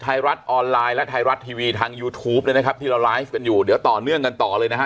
ไทยรัฐออนไลน์และไทยรัฐทีวีทางยูทูปด้วยนะครับที่เราไลฟ์กันอยู่เดี๋ยวต่อเนื่องกันต่อเลยนะฮะ